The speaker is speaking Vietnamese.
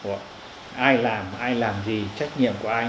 ai làm ai làm gì trách nhiệm của ai